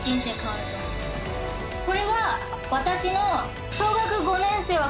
これは私の。